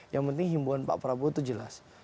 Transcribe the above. yang penting himbuan pak prabowo itu jelas